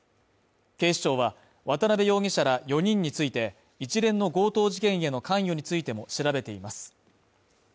警視庁は渡辺容疑者ら４人について、一連の強盗事件への関与についても調べています。